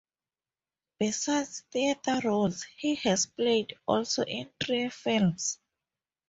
Besides theatre roles he has played also in three films.